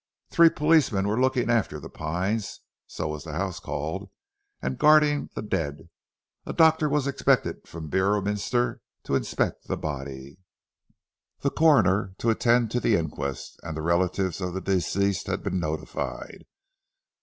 Three policemen were looking after "The Pines" (so was the house called), and guarding the dead; a doctor was expected from Beorminster to inspect the body; the Coroner to attend to the inquest; and the relatives of the deceased had been notified.